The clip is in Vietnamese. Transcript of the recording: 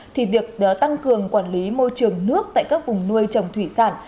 thì việc tăng cường quản lý môi trường nước tại các vùng nuôi trồng thủy sản